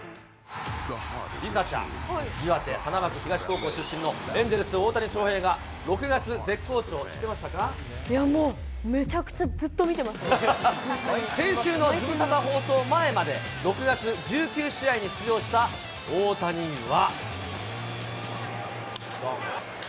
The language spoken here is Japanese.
梨紗ちゃん、岩手・花巻東高校出身のエンゼルス、大谷翔平が６月絶好調、もう、めちゃくちゃずっと見先週のズムサタ放送前まで、６月、１９試合に出場した大谷は。